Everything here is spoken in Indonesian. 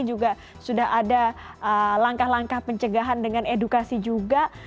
juga sudah ada langkah langkah pencegahan dengan edukasi juga